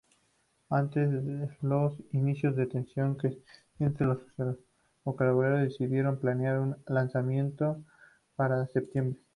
Ante los indicios de tensión creciente, los socialrevolucionarios decidieron planear un alzamiento para septiembre.